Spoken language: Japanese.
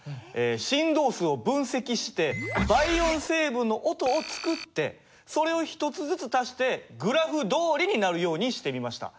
振動数を分析して倍音成分の音を作ってそれを１つずつ足してグラフどおりになるようにしてみました。